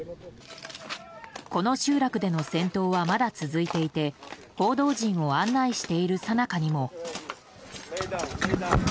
この集落での戦闘はまだ続いていて報道陣を案内しているさなかにも。